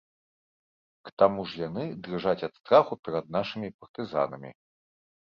К таму ж яны дрыжаць ад страху перад нашымі партызанамі.